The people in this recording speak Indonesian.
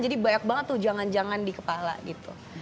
jadi banyak banget tuh jangan jangan di kepala gitu